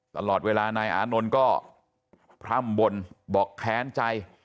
ตลอดเวลานายอานนท์ก็พร่ำบนบอกแค้นใจ